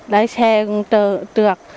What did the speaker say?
đái xe cũng trượt